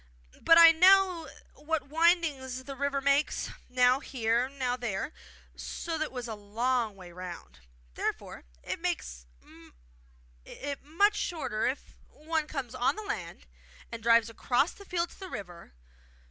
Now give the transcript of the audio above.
But I know what windings the river makes, now here, now there, so that it is a long way round. Therefore it makes it much shorter if one comes on the land and drives across the field to the river.